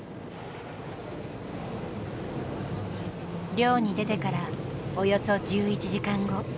漁に出てからおよそ１１時間後。